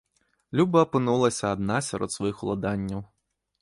Люба апынулася адна сярод сваіх уладанняў.